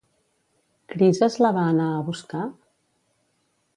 Crises la va anar a buscar?